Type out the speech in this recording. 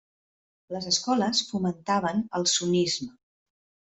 Les escoles fomentaven el sunnisme.